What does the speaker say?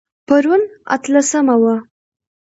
پرون اتلسمه وه